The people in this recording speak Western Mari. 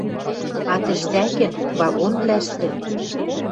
А тӹштӓкен, вагонвлӓштӹ